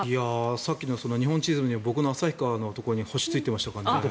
さっきの日本地図に僕の旭川のところにも星ついていましたからね。